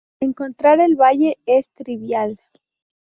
Encontrar el valle es trivial.